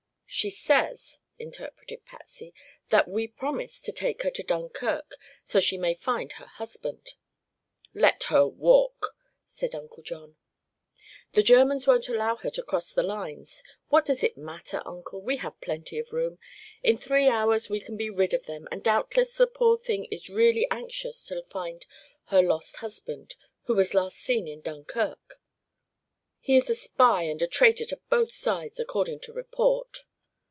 "She says," interpreted Patsy, "that we promised to take her to Dunkirk, so she may find her husband." "Let her walk!" said Uncle John. "The Germans won't allow her to cross the lines. What does it matter, Uncle? We have plenty of room. In three hours we can be rid of them, and doubtless the poor thing is really anxious to find her lost husband, who was last seen in Dunkirk." "He is a spy, and a traitor to both sides, according to report."